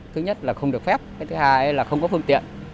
thứ nhất là không được phép cái thứ hai là không có phương tiện